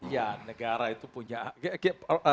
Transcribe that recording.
ya negara itu punya